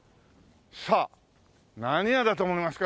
さあ何屋だと思いますか？